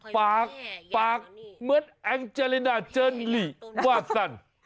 ปากปากเหมือนแองเจรินาเจินลิว่าสัน